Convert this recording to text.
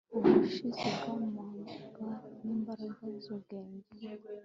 Ubushizi bwamanga nimbaraga zubwenge